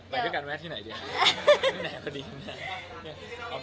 ไปด้วยกันแม้ที่ไหนดีครับ